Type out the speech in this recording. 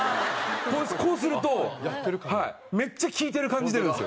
こうするとめっちゃ聞いてる感じ出るんですよ。